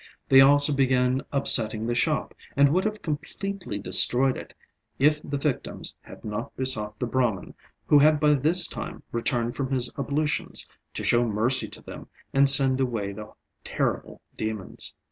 They also began upsetting the shop, and would have completely destroyed it, if the victims had not besought the Brahman, who had by this time returned from his ablutions, to show mercy to them and send away the terrible demons.